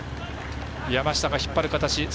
山下が引っ張る形。